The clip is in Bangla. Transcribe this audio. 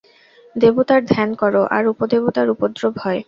দেবতার ধ্যান কর আর উপদেবতার উপদ্রব হয়।